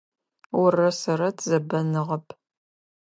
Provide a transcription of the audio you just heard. Орырэ сэрырэ тызэбэныгъэп.